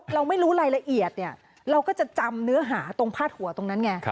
เราไม่รู้รายละเอียดเนี่ยเราก็จะจำเนื้อหาตรงพาดหัวตรงนั้นไง